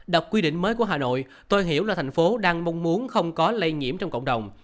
đọc quy định mới của hà nội tôi hiểu là thành phố đang mong muốn không có lây nhiễm trong cộng đồng